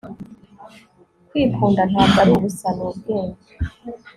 kwikunda ntabwo ari ubusa. ni ubwenge